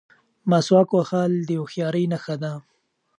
مسواک وهل د هوښیارۍ نښه ده.